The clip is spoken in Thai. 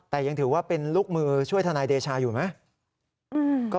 แต่ยังถือว่าเป็นลูกมือช่วยทนายเดชาอยู่ไหม